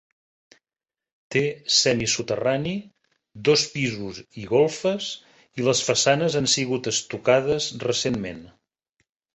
Té semisoterrani, dos pisos i golfes i les façanes han sigut estucades recentment.